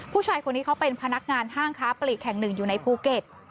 ผู้ชายคนนี้เขาเป็นพนักงานห้างค้าปลีกแห่งหนึ่งอยู่ในภูเก็ต